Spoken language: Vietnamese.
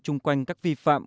trung quanh các vi phạm